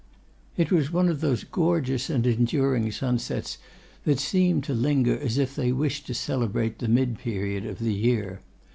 It was one of those gorgeous and enduring sunsets that seemed to linger as if they wished to celebrate the mid period of the year.